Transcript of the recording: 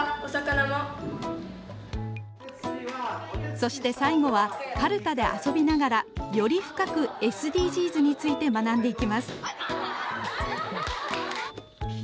そして最後はカルタで遊びながらより深くＳＤＧｓについて学んでいきます。